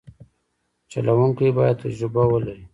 چلوونکی باید تجربه ولري.